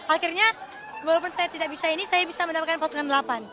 akhirnya walaupun saya tidak bisa ini saya bisa mendapatkan posongan delapan